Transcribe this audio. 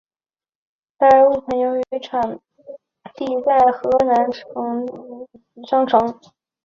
该物种的模式产地在河南商城。